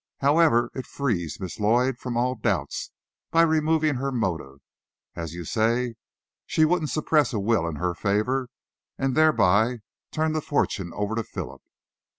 "However, it frees Miss Lloyd from all doubts, by removing her motive. As you say, she wouldn't suppress a will in her favor, and thereby turn the fortune over to Philip.